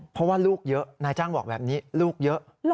เพราะว่าลูกเยอะนายจ้างบอกแบบนี้ลูกเยอะ